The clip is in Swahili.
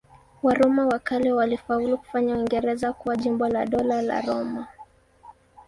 Waroma wa kale walifaulu kufanya Uingereza kuwa jimbo la Dola la Roma.